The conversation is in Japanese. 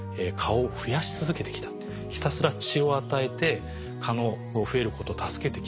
ひたすら血を与えて蚊の増えることを助けてきたと。